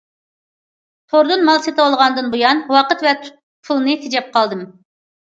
توردىن مال سېتىۋالغاندىن بۇيان ۋاقىت ۋە پۇلنى تېجەپ قالدىم.